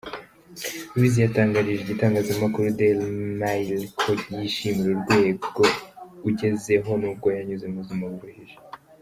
Luwize yatangarije igitangazamakuru Deyili Mayili ko yishimira urwego ugezeho nubwo yanyuze mu buzima buruhije.